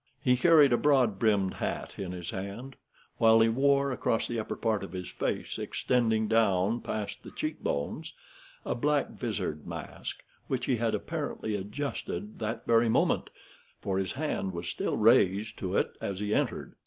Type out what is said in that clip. He carried a broad brimmed hat in his hand, while he wore across the upper part of his face, extending down past the cheek bones, a black visard mask, which he had apparently adjusted that very moment, for his hand was still raised to it as he entered.